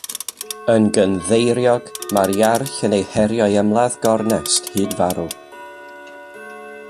Yn gynddeiriog, mae'r Iarll yn ei herio i ymladd gornest hyd farw.